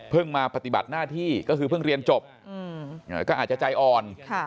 มาปฏิบัติหน้าที่ก็คือเพิ่งเรียนจบก็อาจจะใจอ่อน